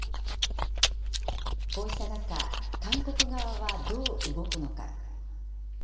こうした中、韓国側はどう動くのか。